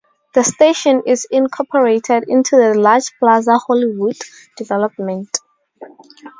The station is incorporated into the large Plaza Hollywood development.